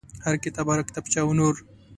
هر کتاب هر کتابچه او نور.